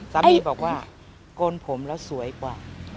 สามีบอกว่าโกนผมแล้วสวยกว่า